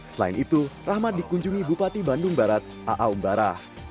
selain itu rahmat dikunjungi bupati bandung barat a a umbara